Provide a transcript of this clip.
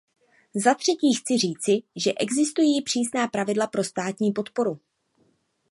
Zatřetí chci říci, že existují přísná pravidla pro státní podporu.